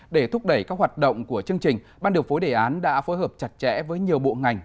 để thúc đẩy các hoạt động của chương trình ban điều phối đề án đã phối hợp chặt chẽ với nhiều bộ ngành